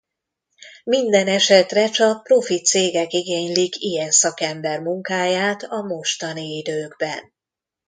Mindenesetre csak profi cégek igénylik ilyen szakember munkáját a mostani időkben.